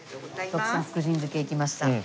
徳さん福神漬けいきました。